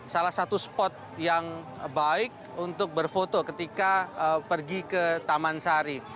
salah satu spot yang baik untuk berfoto ketika pergi ke taman sari